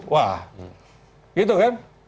wah gitu kan